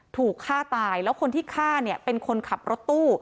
ถูกฆ่าตายแล้วคนที่ฆ่าเนี่ยเป็นคนขับรถตู้